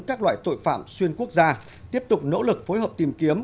các loại tội phạm xuyên quốc gia tiếp tục nỗ lực phối hợp tìm kiếm